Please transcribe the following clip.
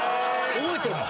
覚えてるの？